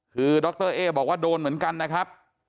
คือดรเอ๊บอกว่าโดนเหมือนกันนะครับ